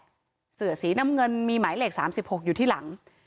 เสือสีน้ำเงินมีหมายเลข๓๖อยู่ที่หลัง